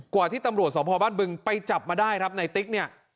กว่าที่ตำรวจสมภาพบ้านบึงไปจับมาได้ครับในติ๊กเนี่ย